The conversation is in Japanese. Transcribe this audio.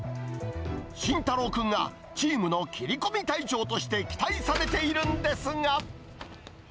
心大朗君がチームの切り込み隊長として期待されているんですが。